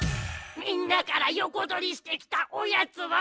みんなからよこどりしてきたおやつはおいしいなあ！